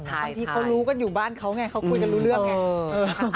บางทีเขารู้กันอยู่บ้านเขาไงเขาคุยกันรู้เรื่องไง